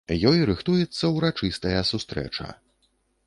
Ёй рыхтуецца ўрачыстая сустрэча.